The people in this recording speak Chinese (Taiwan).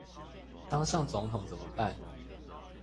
當上總統怎麼辦？